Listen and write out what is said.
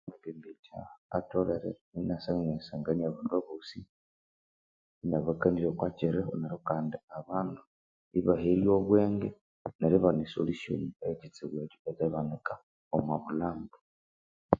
Omwembembethya atholere inasangasangania abandu abosi inabakanja okwa kyiriho neryo kandi abandu ibahererya obwenge neribana esolisyoni eyekyitsubu ekyo ekya mabanika omwabulhambo